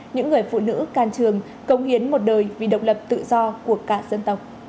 những người phụ nữ can trường công hiến một đời vì độc lập tự do của cả dân tộc